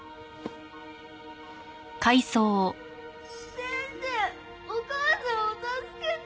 先生お母さんを助けて！